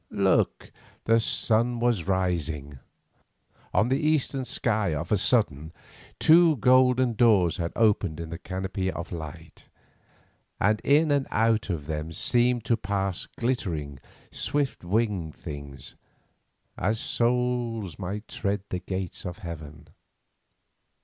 Look, the sun was rising. On the eastern sky of a sudden two golden doors had opened in the canopy of night, and in and out of them seemed to pass glittering, swift winged things, as souls might tread the Gate of Heaven.